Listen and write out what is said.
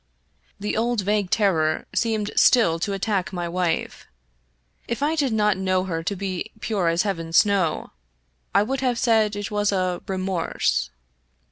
The old vague terror seemed still to attack my wife. If I did not know her to be pure as heaven's snow, I would have said it was a remorse.